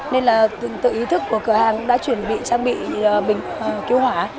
nên tự ý thức của cửa hàng đã chuẩn bị trang bị bình cứu hỏa